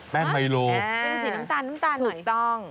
ไมโลเป็นสีน้ำตาลน้ำตาลหน่อยถูกต้อง